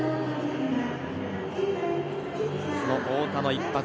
太田の一発。